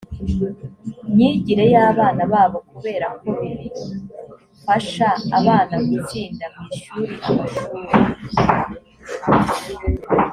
myigire y abana babo kubera ko bibifasha abana gutsinda mu ishuri amashuri